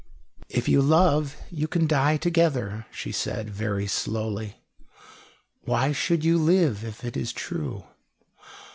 "If you love, you can die together," she said, very slowly. "Why should you live, if it is true?